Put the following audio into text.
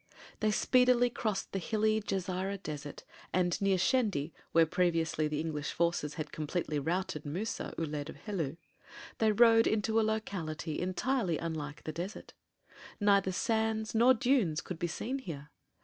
They speedily crossed the hilly Jesira Desert, and near Shendi, where previously the English forces had completely routed Musa, Uled of Helu, they rode into a locality entirely unlike the desert. Neither sands nor dunes could be seen here.